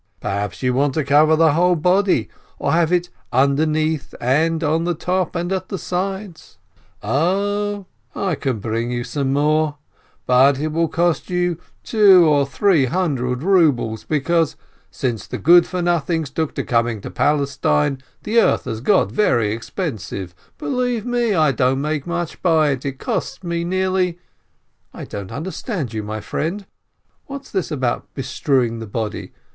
Perhaps you want to cover the whole body, to have it underneath and on the top and at the sides? 0, I can bring you 40 JEHALEL some more, but it will cost you two or three hundred rubles, because, since the good for nothings took to com ing to Palestine, the earth has got very expensive. Believe me, I don't make much by it, it costs me nearly. ... }i "I don't understand you, my friend! What's this about bestrewing the body